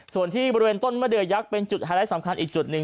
ส่วนที่บริเวณต้นมะเดือยักษ์เป็นจุดไฮไลท์สำคัญอีกจุดหนึ่ง